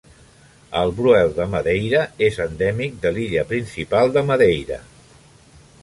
El bruel de Madeira és endèmic de l'illa principal de Madeira.